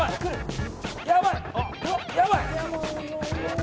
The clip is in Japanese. やばい。